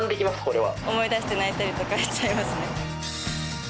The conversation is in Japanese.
これは思い出して泣いたりとかしちゃいますね